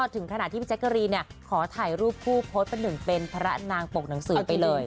ถึงขณะที่พี่แจ๊กกะรีนขอถ่ายรูปผู้โพสต์ประหนึ่งเป็นพระนางปกหนังสือไปเลย